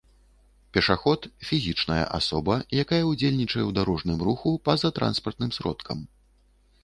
пешаход — фізічная асоба, якая ўдзельнічае ў дарожным руху па-за транспартным сродкам